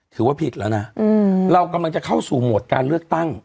ถือว่าผิดแล้วนะเรากำลังจะเข้าสู่โหมดการเลือกตั้ง